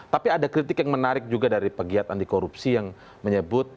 tapi ada kritik yang menarik juga dari pegiat anti korupsi yang menyebut